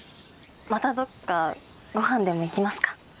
またどっかご飯でも行きますか？